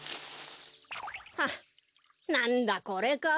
はっなんだこれか。